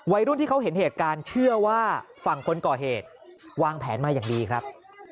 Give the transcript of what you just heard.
วัยรุ่นที่เขาเห็นเหตุการณ์เชื่อว่าฝั่งคนก่อเหตุวางแผนมาอย่างดีครับ